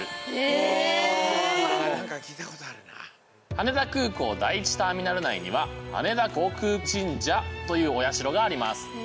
羽田空港第１ターミナル内には羽田航空神社というお社があります。